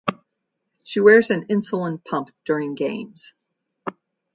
She wears an insulin pump during games.